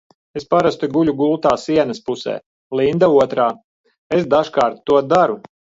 Es parasti guļu gultā sienas pusē, Linda otrā. Es dažkārt to daru.